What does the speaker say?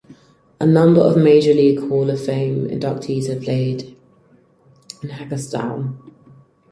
A number of major league Hall of Fame inductees have played in Hagerstown.